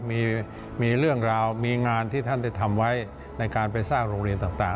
มีเรื่องราวมีงานที่ท่านได้ทำไว้ในการไปสร้างโรงเรียนต่าง